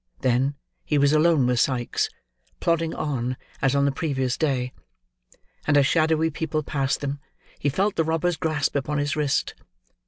Then, he was alone with Sikes, plodding on as on the previous day; and as shadowy people passed them, he felt the robber's grasp upon his wrist.